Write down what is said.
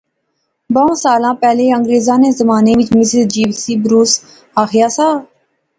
بہوں سالاں پہلے انگریریں نے زمانے وچ مسز جی سی بروس آخیا سا